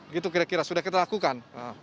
gitu kira kira sudah kita lakukan